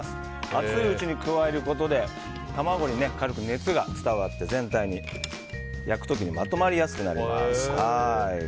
熱いうちに加えることで卵に軽く熱が伝わって全体に焼く時にまとまりやすくなります。